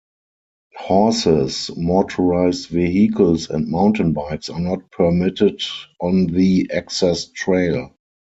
Horses, motorized vehicles, and mountain bikes are not permitted on the access trail.